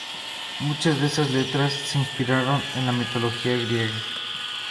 Muchas de estas letras se inspiraron en la mitología griega.